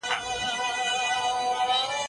دا مرچ د هغو کسانو لپاره ګټور دي چې ساه لنډي نه لري.